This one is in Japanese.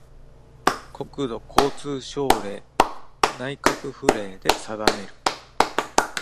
国土交通省令・内閣府令で定める